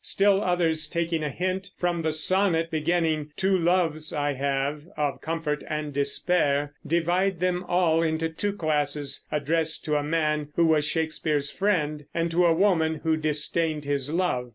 Still others, taking a hint from the sonnet beginning "Two loves I have, of comfort and despair," divide them all into two classes, addressed to a man who was Shakespeare's friend, and to a woman who disdained his love.